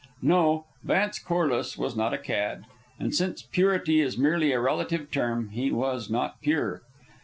No; Vance Corliss was not a cad. And since purity is merely a relative term, he was not pure.